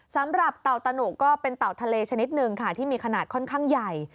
สำหรับเตาตนุก็เป็นเตาทะเลชนิดหนึ่งที่มีขนาดค่อนข้างใหญ่